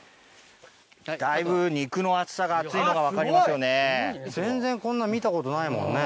だいぶ肉の厚さが厚いのが分かりますよね。